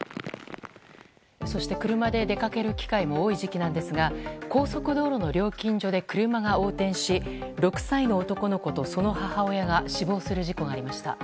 そして車で出かける機会も多い時期なんですが高速道路の料金所で車が横転し６歳の男の子とその母親が死亡する事故がありました。